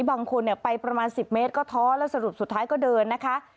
บางคนไปประมาณ๑๐เมตรก็ท้อแล้วสรุปสุดท้ายก็เดินนะคะ